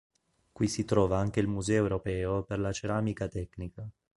Qui si trova anche il museo europeo per la ceramica tecnica.